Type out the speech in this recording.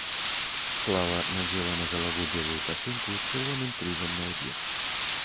Клава надзела на галаву белую касынку з чырвоным крыжам на лбе.